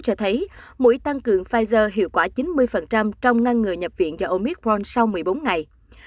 cho thấy mũi tăng cường pfizer hiệu quả chín mươi trong ngăn ngừa nhập viện do omicrone sau một mươi bốn ngày